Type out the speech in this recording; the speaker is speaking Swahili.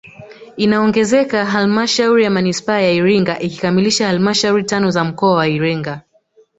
Inaongezeka halmashauri ya manispaa ya Iringa ikikamilisha halmashauri tano za mkoa wa Iringa